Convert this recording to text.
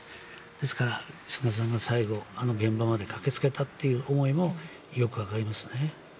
ですから、菅さんが最後あの現場まで駆けつけたという思いもよくわかりますね。